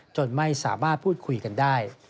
จนไม่สามารถพูดคุยกันได้